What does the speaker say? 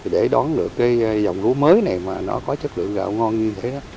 để đón được cái dòng lúa mới này mà nó có chất lượng gạo ngon như thế